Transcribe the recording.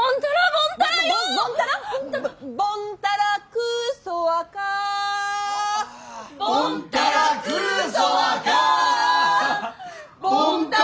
ボンタラクーソワカー。